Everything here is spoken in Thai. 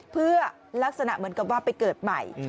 เพื่อลักษณะเหมือนกับว่าไปเกิดใหม่